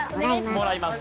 もらいます。